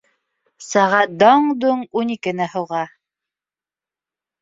Сәғәт даң-доң ун икене һуға.